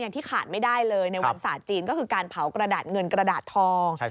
ที่ขาดไม่ได้เลยในวันศาสตร์จีนก็คือการเผากระดาษเงินกระดาษทอง